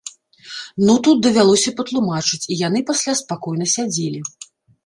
Ну тут давялося патлумачыць, і яны пасля спакойна сядзелі.